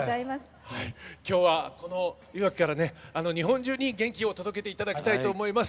今日は、このいわきから日本中に元気を届けていただきたいと思います。